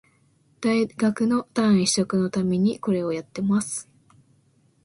大学の単位取得のためにこれをやってます